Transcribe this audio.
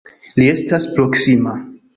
Li estas proksima!